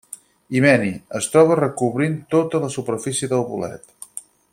Himeni: es troba recobrint tota la superfície del bolet.